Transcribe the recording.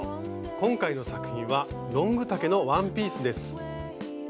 今回の作品はロング丈のワンピースです。